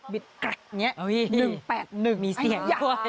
แกรกอย่างนี้๑๘๑มีเสียง